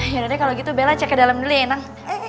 yaudah deh kalau gitu bella cek ke dalam dulu ya enak